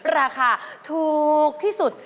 ราคาถูกที่สุด